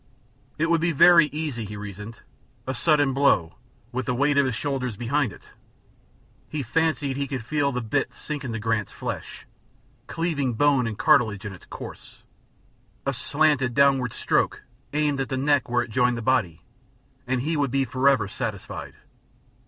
It would be very easy, he reasoned; a sudden blow, with the weight of his shoulders behind it he fancied he could feel the bit sink into Grant's flesh, cleaving bone and cartilages in its course a slanting downward stroke, aimed at the neck where it joined the body, and he would be forever satisfied.